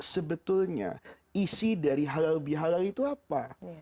sebetulnya isi dari halal bihalal itu apa